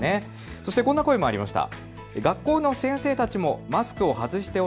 そしてこんな声もありました。